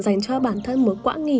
mình có thêm cây